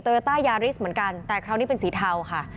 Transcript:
โยต้ายาริสเหมือนกันแต่คราวนี้เป็นสีเทาค่ะ